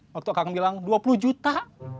waktu kang bilang dua puluh juta